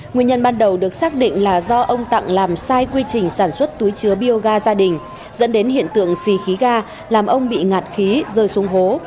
nguyên nhân ban đầu được xác định là do ông tặng làm sai quy trình sản xuất túi chứa bioga gia đình dẫn đến hiện tượng xì khí ga làm ông bị ngạt khí rơi xuống hố